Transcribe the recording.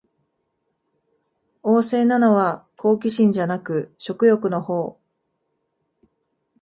旺盛なのは好奇心じゃなく食欲のほう